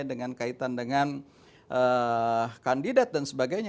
dengan kaitan dengan kandidat dan sebagainya